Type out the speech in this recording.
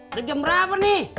udah jam berapa nih